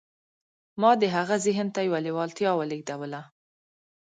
ما د هغه ذهن ته يوه لېوالتیا ولېږدوله.